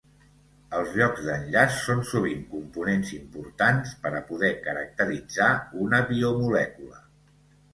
Els llocs d'enllaç són sovint components importants per a poder caracteritzar una biomolècula.